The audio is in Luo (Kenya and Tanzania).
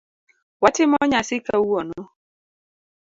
Watimo nyasi kawuono.